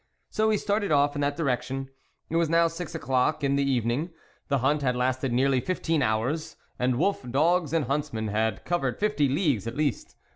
So he started off in that direction. It was now six o'clock in the evening ; the hunt had lasted nearly fifteen hours, and wolf, dogs and hunts men had covered fifty leagues at least.